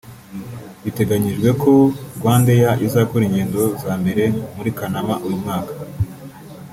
Biteganijwe ko RwandAir izakora ingendo za mbere muri Kanama uyu mwaka